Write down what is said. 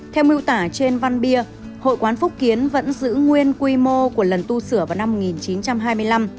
theo miêu tả trên văn bia hội quán phúc kiến vẫn giữ nguyên quy mô của lần tu sửa vào năm một nghìn chín trăm hai mươi năm